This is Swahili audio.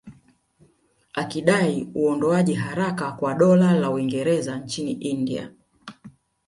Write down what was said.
Akidai uondoaji haraka wa Dola la Uingereza nchini India